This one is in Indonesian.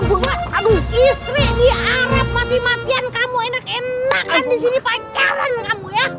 istri diarep mati matian kamu enak enakan di sini pacaran kamu ya